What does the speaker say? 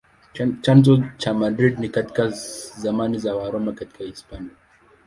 Chanzo cha Madrid ni katika zamani za Waroma katika Hispania.